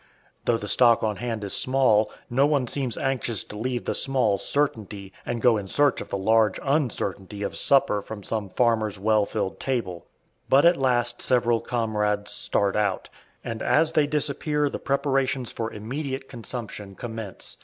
Though the stock on hand is small, no one seems anxious to leave the small certainty and go in search of the large uncertainty of supper from some farmer's well filled table; but at last several comrades start out, and as they disappear the preparations for immediate consumption commence.